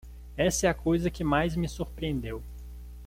Essa é a coisa que mais me surpreendeu.